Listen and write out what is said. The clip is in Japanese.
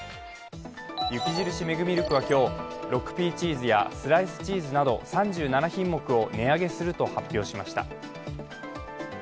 雪印メグミルクは今日、６Ｐチーズやスライスチーズなど３７品目を値上げすると発表しました。